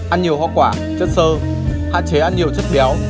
ăn nhiều hoa quả chất sơ hạn chế ăn nhiều chất béo